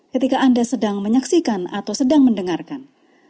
ketika anda sedang menyaksikan atau sedang mendengarkan